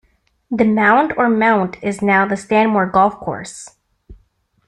The mound, or mount, is now the Stanmore Golf Course.